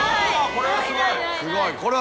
これはすごい。